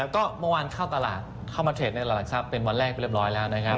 ก็เมื่อวานเข้าตลาดเข้ามาเทรดในตลาดหลักทรัพย์เป็นวันแรกไปเรียบร้อยแล้วนะครับ